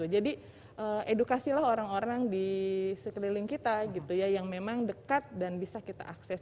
jadi edukasilah orang orang di sekeliling kita yang memang dekat dan bisa kita akses